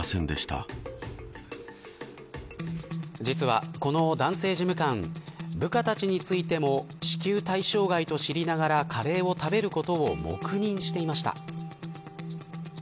実は、この男性事務官部下たちについても支給対象外と知りながらカレーを食べることを黙認していました。